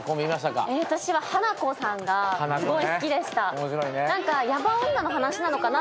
私はハナコさんがすごい好きでした。